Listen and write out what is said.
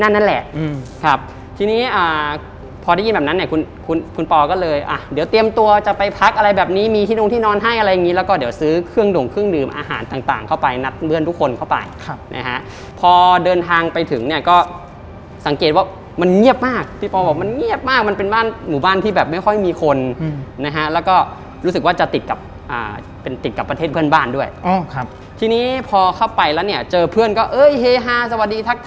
นั่นแหละครับทีนี้พอได้ยินแบบนั้นเนี่ยคุณปอล์ก็เลยเดี๋ยวเตรียมตัวจะไปพักอะไรแบบนี้มีที่โดงที่นอนให้อะไรอย่างงี้แล้วก็เดี๋ยวซื้อเครื่องด่งเครื่องดื่มอาหารต่างเข้าไปนัดเพื่อนทุกคนเข้าไปครับพอเดินทางไปถึงเนี่ยก็สังเกตว่ามันเงียบมากพี่ปอล์บอกมันเงียบมากมันเป็นบ้านหมู่บ้านที่แบบไม่ค่อยม